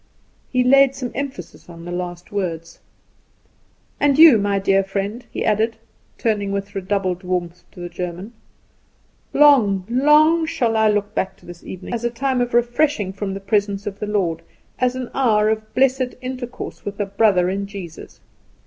He laid some emphasis on the last words. "And you, my dear friend," he added, turning with redoubled warmth to the German, "long, long shall I look back to this evening as a time of refreshing from the presence of the Lord, as an hour of blessed intercourse with a brother in Jesus.